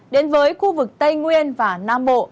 đến với khu vực tây nguyên và nam bộ